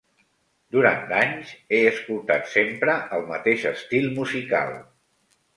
Durant anys he escoltat sempre el mateix estil musical.